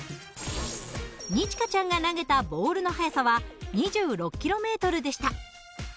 二千翔ちゃんが投げたボールの速さは２６ｋｍでした。